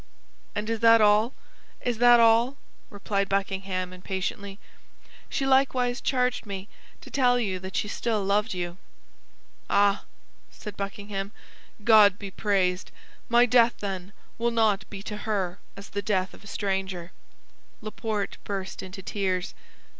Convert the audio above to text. "And is that all—is that all?" replied Buckingham, impatiently. "She likewise charged me to tell you that she still loved you." "Ah," said Buckingham, "God be praised! My death, then, will not be to her as the death of a stranger!" Laporte burst into tears.